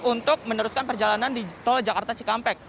untuk meneruskan perjalanan di tol jakarta cikampek